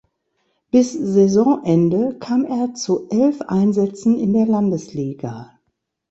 Bis Saisonende kam er zu elf Einsätzen in der Landesliga.